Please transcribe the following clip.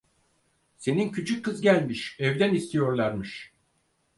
Senin küçük kız gelmiş, evden istiyorlarmış!